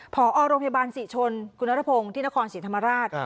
พอโรงพยาบาลศรีชนคุณนัทพงศ์ที่นครศรีธรรมราช